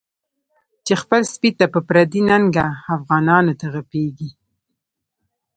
چی خپل سپی په پردی ننگه، افغانانوته غپیږی